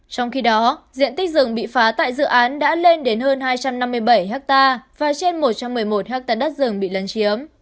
trong khi đó diện tích rừng bị phá tại dự án đã lên đến hơn hai trăm năm mươi bảy ha và trên một trăm một mươi một ha đất rừng bị lấn chiếm